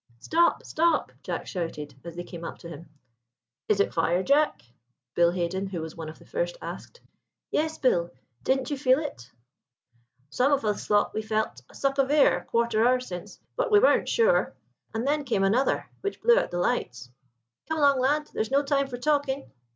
"Stop! stop!" Jack shouted, as they came up to him. "Is it fire, Jack?" Bill Haden, who was one of the first, asked. "Yes, Bill; didn't you feel it?" "Some of us thought we felt a suck of air a quarter hour since, but we weren't sure; and then came another, which blew out the lights. Come along, lad; there is no time for talking."